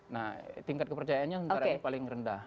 nah tingkat kepercayaannya antara ini paling rendah